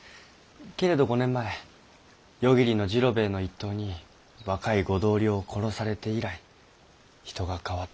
けれど５年前夜霧ノ治郎兵衛の一党に若いご同僚を殺されて以来人が変わってしまったと。